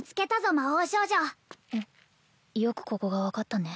魔法少女よくここが分かったね